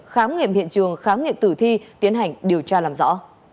khám nghiệm hiện trường khám nghiệm tử thi tiến hành điều tra làm rõ